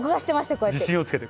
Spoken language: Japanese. こうやって。